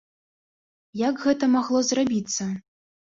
Як гэта магло зрабіцца?